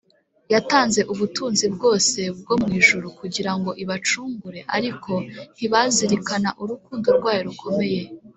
yatanze ubutunzi bwose bwo mu ijuru kugira ngo ibacungure, ariko ntibazirikana urukundo rwayo rukomeye